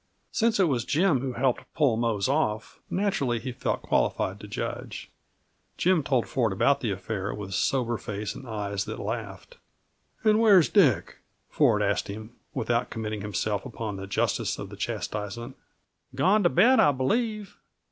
Since it was Jim who helped pull Mose off, naturally he felt qualified to judge. Jim told Ford about the affair with sober face and eyes that laughed. "And where's Dick?" Ford asked him, without committing himself upon the justice of the chastisement. "Gone to bed, I believe.